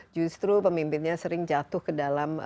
justru pemimpinnya sering jatuh ke dalam